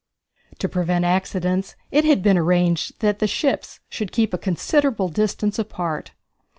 To prevent accidents, it had been arranged that the ships should keep a considerable distance apart.